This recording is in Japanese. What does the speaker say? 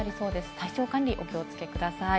体調管理にお気をつけください。